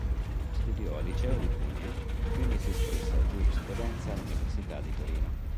Studiò al liceo di Cuneo, quindi si iscrisse a Giurisprudenza all'università di Torino.